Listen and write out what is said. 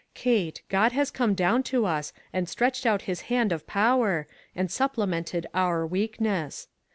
Kate, God has come down to us and stretched out his hand of power, and sup plemented our weakness.